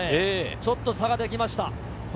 ちょっと差ができましたね。